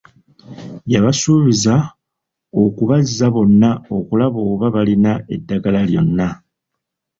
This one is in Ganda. Yabasuubiza okubaaza bonna okulaba oba balina eddagala lyonna.